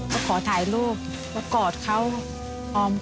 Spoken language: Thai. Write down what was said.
เขาขอถ่ายรูปเขากอดเขาออมเขา